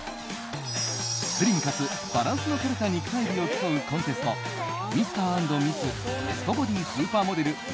スリムかつバランスのとれた肉体美を競うコンテストミスター＆ミス・ベストボディ・スーパーモデル２０１６